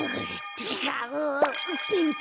ちがう！